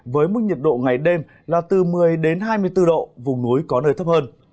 với mức nhiệt độ ngày đêm là từ một mươi đến hai mươi bốn độ vùng núi có nơi thấp hơn